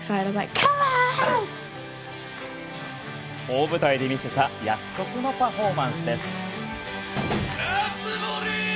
大舞台で見せた約束のパフォーマンスです。